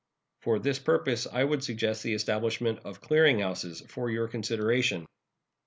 For this purpose I would suggest the establishment of clearing houses for your consideration.